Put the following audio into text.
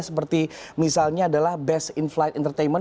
seperti misalnya adalah best in flight entertainment